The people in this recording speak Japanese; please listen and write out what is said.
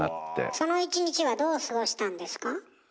その一日はどう過ごしたんですか？